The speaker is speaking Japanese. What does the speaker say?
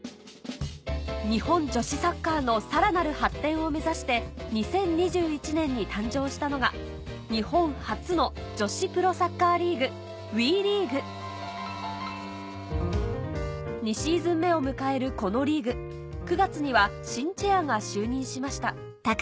日本女子サッカーのさらなる発展を目指して２０２１年に誕生したのが日本初の女子プロサッカーリーグ２シーズン目を迎えるこのリーグ９月には新チェアが就任しました